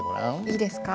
いいですか？